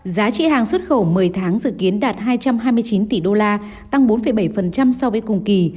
giá trị hàng xuất khẩu một mươi tháng dự kiến đạt hai trăm hai mươi chín tỷ đô la tăng bốn bảy so với cùng kỳ